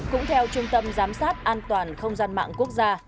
cũng theo trung tâm giám sát an toàn không gian mạng quốc gia